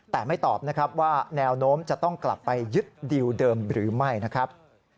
แต่ไม่ตอบนะครับว่าแนวโน้มจะต้องกลับไปยึดดิวเดิมหรือไม่นะครับ